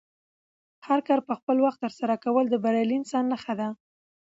هر کار په خپل وخت ترسره کول د بریالي انسان نښه ده.